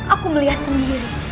aku melihat sendiri